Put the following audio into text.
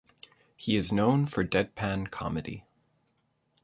He is known for deadpan comedy.